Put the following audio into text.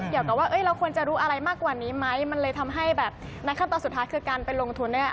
เกี่ยวกับว่าเราควรจะรู้อะไรมากกว่านี้ไหมมันเลยทำให้แบบในขั้นตอนสุดท้ายคือการไปลงทุนเนี่ย